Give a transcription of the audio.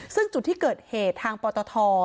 ซึ่งจุดที่เกิดเหตุทางปตท